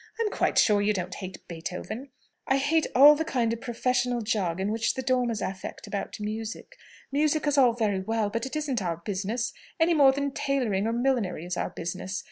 "I'm quite sure you don't hate Beethoven!" "I hate all the kind of professional jargon which the Dormers affect about music. Music is all very well, but it isn't our business, any more than tailoring or millinery is our business.